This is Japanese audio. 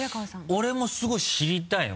俺もすごい知りたいの。